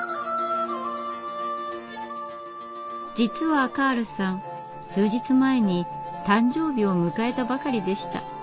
実はカールさん数日前に誕生日を迎えたばかりでした。